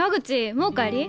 もう帰り？